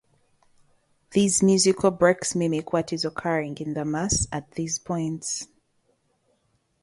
These musical breaks mimic what is occurring in the mass at these points.